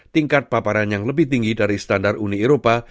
tingkat paparan yang lebih tinggi dari standar uni eropa